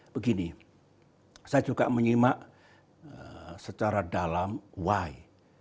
begini saya juga menyimak secara dalam wi